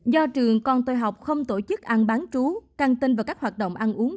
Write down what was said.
do trường con tôi học không tổ chức ăn bán trú căng tinh và các hoạt động ăn uống